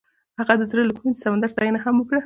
هغې د زړه له کومې د سمندر ستاینه هم وکړه.